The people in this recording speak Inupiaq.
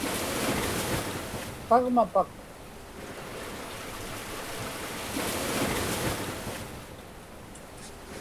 pagmapak